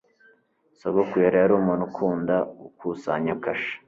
Sogokuru yari umuntu ukunda gukusanya kashe.